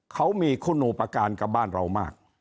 เขามีคุณอุปการณ์กับบ้านเรามาก